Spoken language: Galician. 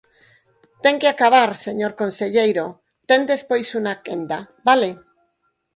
Ten que acabar, señor conselleiro, ten despois unha quenda, ¿vale?